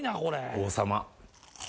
王様。